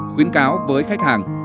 khuyến cáo với khách hàng